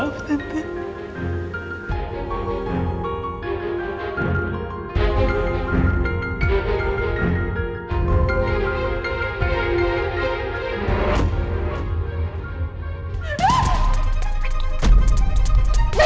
sama zakatal terlawak